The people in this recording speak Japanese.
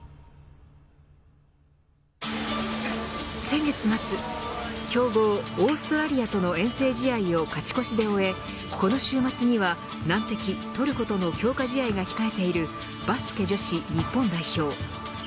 先月末強豪オーストラリアとの遠征試合を勝ち越しで終えこの週末には難敵トルコとの強化試合が控えているバスケ女子日本代表。